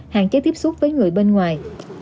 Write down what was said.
hạn chế tiếp xúc với người bên ngoài